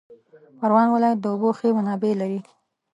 پروان ولایت د اوبو ښې منابع لري